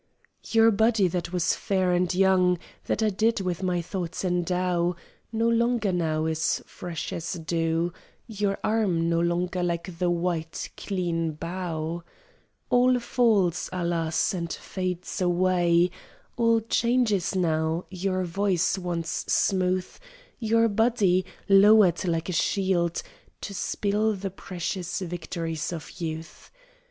Your body that was fair and young That I did with my thoughts endow, No longer now is fresh as dew, Your arm no longer like the white, clean bough. All falls, alas, and fades away, All changes now: your voice once smooth, Your body, lowered like a shield To spill the precious victories of youth.